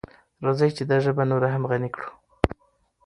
راځئ چې دا ژبه نوره هم غني کړو.